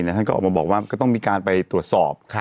ท่านก็ออกมาบอกว่าก็ต้องมีการไปตรวจสอบ